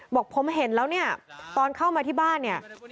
บอกผมเห็นแล้วเนี่ยตอนเข้ามาที่บ้านเนี่ย